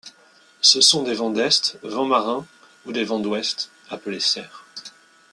Ce sont des vents d'est, vents marins, ou des vents d'ouest appelés Cers.